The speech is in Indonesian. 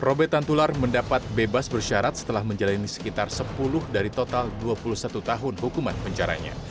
robert tantular mendapat bebas bersyarat setelah menjalani sekitar sepuluh dari total dua puluh satu tahun hukuman penjaranya